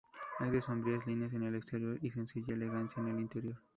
Es de sobrias líneas en el exterior y sencilla elegancia en el interior.